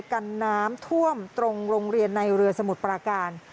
กันน้ำท่วมตรงโรงเรียนในเรือสมุทรปราการ